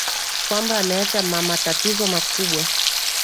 kwamba ameacha ma matatizo makubwa